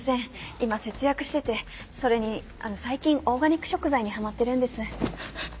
今節約しててそれに最近オーガニック食材にハマってるんです。